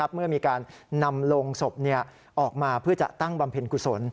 เมื่อมีการนำโรงศพออกมาเพื่อจะตั้งบำเพ็ญกุศล